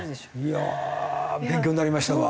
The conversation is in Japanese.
いやあ勉強になりましたわ。